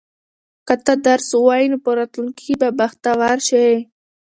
که ته درس ووایې نو په راتلونکي کې به بختور شې.